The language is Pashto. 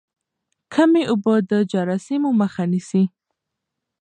کمې اوبه د جراثیمو مخه نیسي.